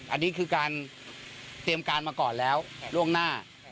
อันนี้คือการเตรียมการมาก่อนแล้วล่วงหน้า